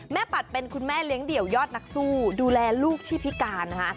ปัดเป็นคุณแม่เลี้ยงเดี่ยวยอดนักสู้ดูแลลูกที่พิการนะคะ